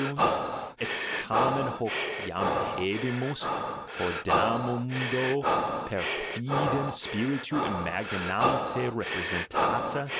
Et tamen hcec jam habemus quodammodo per fidem spiritu imaginante reprcesentata.